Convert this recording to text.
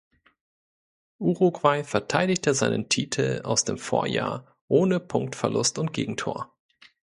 Uruguay verteidigte seinen Titel aus dem Vorjahr ohne Punktverlust und Gegentor.